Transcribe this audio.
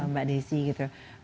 mbak desy gitu